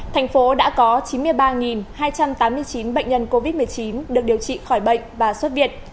tp hcm đã có chín mươi ba hai trăm tám mươi chín bệnh nhân covid một mươi chín được điều trị khỏi bệnh và xuất việt